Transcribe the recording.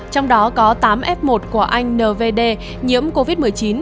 trong đó có tám f một của anh n v d nhiễm covid một mươi chín